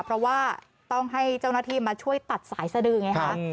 เพราะว่าต้องให้เจ้าหน้าที่มาช่วยตัดสายสดือไงคะ